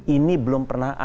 ini belum pernah ada